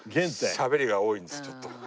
しゃべりが多いんですちょっと。